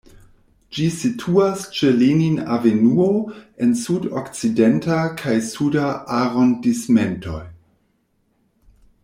Ĝi situas ĉe Lenin-avenuo en Sud-Okcidenta kaj Suda arondismentoj.